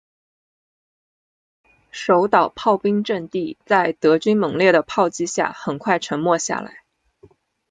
守岛炮兵阵地在德军猛烈的炮击下很快沉默下来。